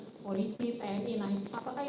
seperti misalnya polisi tni